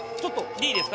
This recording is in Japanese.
Ｄですか？